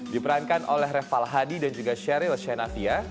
diperankan oleh reval hadi dan juga sheryl shenavia